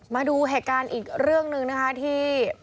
มาดูเหตุการณ์อีกเรื่องหนึ่งนะคะที่